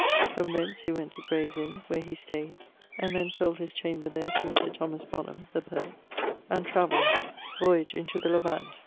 From thence he went to Grayes Inne, where he stayd ... and then sold his chamber there to Mr. Thomas Bonham[AT] (the poet) and travelled voyage into the Levant.